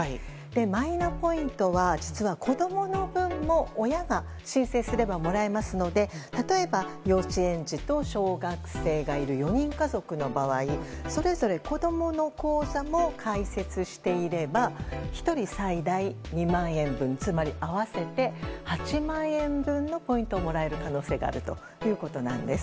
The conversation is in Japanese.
マイナポイントは実は、子供の分も親が申請すればもらえますので例えば、幼稚園児と小学生がいる４人家族の場合それぞれ子供の口座も開設していれば１人最大２万円分つまり合わせて８万円分のポイントをもらえる可能性があるということです。